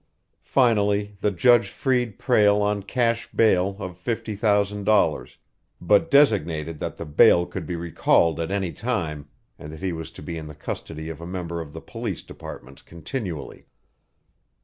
Finally the judge freed Prale on cash bail of fifty thousand dollars, but designated that the bail could be recalled at any time, and that he was to be in the custody of a member of the police department continually.